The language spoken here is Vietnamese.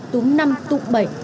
túng năm tụ bảy